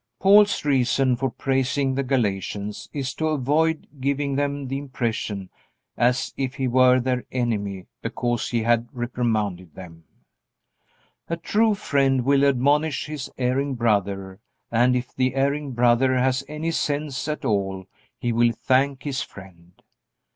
Paul's reason for praising the Galatians is to avoid giving them the impression as if he were their enemy because he had reprimanded them. A true friend will admonish his erring brother, and if the erring brother has any sense at all he will thank his friend.